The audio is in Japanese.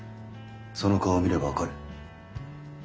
その顔を見れば分かる。